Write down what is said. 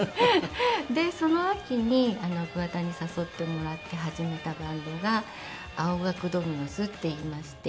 でその秋に桑田に誘ってもらって始めたバンドが青学ドミノスっていいまして。